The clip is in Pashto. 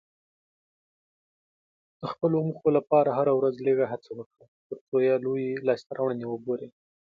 د خپلو موخو لپاره هره ورځ لږه هڅه وکړه، ترڅو لویې لاسته راوړنې وګورې.